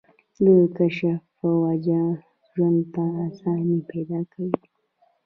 د کشف پۀ وجه ژوند ته اسانۍ پېدا کوي